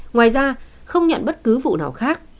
ngoài ra không nhận bất cứ vụ nào khác